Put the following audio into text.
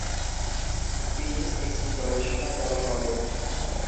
তিনি একটি গবেষণা দল করেন।